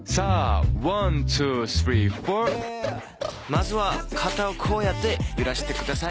まずは肩をこうやって揺らしてください。